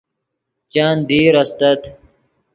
چند دیر استت